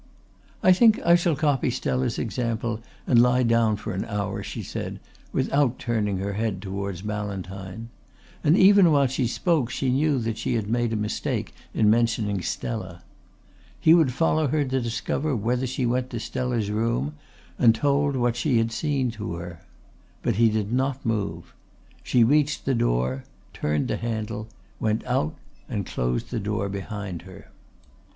"I think I shall copy Stella's example and lie down for an hour," she said without turning her head towards Ballantyne, and even while she spoke she knew that she had made a mistake in mentioning Stella. He would follow her to discover whether she went to Stella's room and told what she had seen to her. But he did not move. She reached the door, turned the handle, went out and closed the door behind her.